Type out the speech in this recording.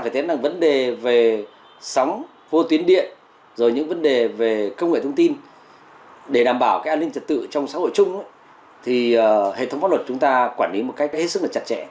thì hệ thống pháp luật chúng ta quản lý một cách hết sức là chặt chẽ